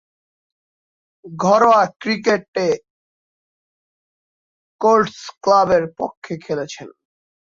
ঘরোয়া ক্রিকেটে কোল্টস ক্লাবের পক্ষে খেলছেন।